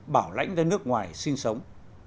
bảo lãnh ra nước ngoài sinh sống